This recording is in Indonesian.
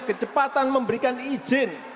kecepatan memberikan izin